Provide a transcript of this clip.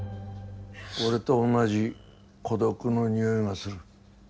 俺と同じ孤独の匂いがする。